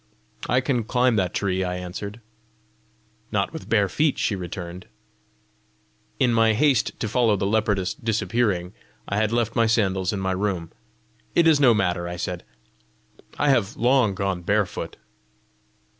"I can climb that tree," I answered. "Not with bare feet!" she returned. In my haste to follow the leopardess disappearing, I had left my sandals in my room. "It is no matter," I said; "I have long gone barefoot!"